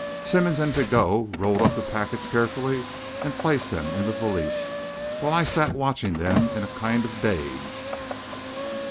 Simmonds and Pigot rolled up the packets carefully and placed them in the valise, while I sat watching them in a kind of daze.